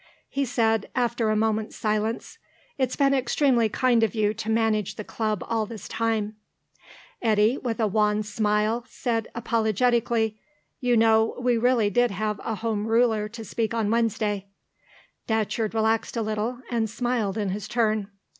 He said, after a moment's silence, "It's been extremely kind of you to manage the Club all this time." Eddy, with a wan smile, said apologetically, "You know, we really did have a Home Ruler to speak on Wednesday." Datcherd relaxed a little, and smiled in his turn.